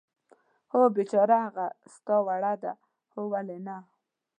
هو، بېچاره، هغه ستا وړ ده؟ هو، ولې نه.